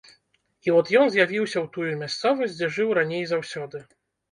І от ён з'явіўся ў тую мясцовасць, дзе жыў раней заўсёды.